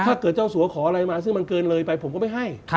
ถ้าเจ้าสัวขออะไรมาแล้วซึ่งมันเกินเลยมีไหมผมก็ไม่ให้